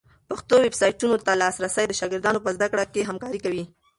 پښتو ویبسایټونو ته لاسرسی د شاګردانو په زده کړه کي همکاری کوي.